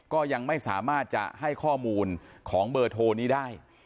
ก็ยังไม่สามารถจะให้ข้อมูลของเบอร์โทรนี้ได้